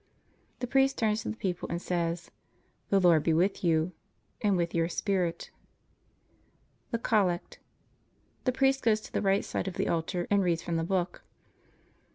The priest turns to the people and says: The Lord be with you. And with your spirit. THE COLLECT The priest goes to the right side of the altar and reads from the book.